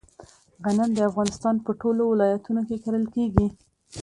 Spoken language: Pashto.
غنم د افغانستان په ټولو ولایتونو کې کرل کیږي.